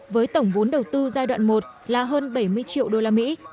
với tổng vốn đầu tư giai đoạn một là hơn bảy mươi triệu usd